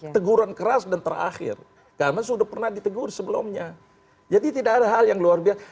teguran keras dan terakhir karena sudah pernah ditegur sebelumnya jadi tidak ada hal yang luar biasa